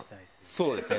そうですね。